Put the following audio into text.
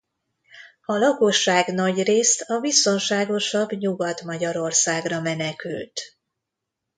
A lakosság nagyrészt a biztonságosabb Nyugat-Magyarországra menekült.